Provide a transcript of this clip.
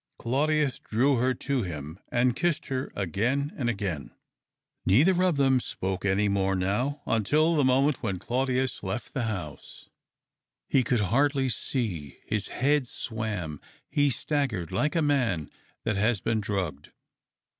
Claudius drew her to him and kissed her again and again. Neither of them spoke any more now until the moment when Claudius left the 3C8 THK OCTAVE OB^ CLAUDIUS. house. He could hardly see, his head swam, he staggered like a man that has been druo o ed.